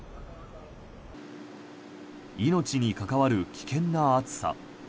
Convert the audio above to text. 命に関わる危険な暑さ。